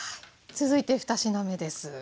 続いて２品目です。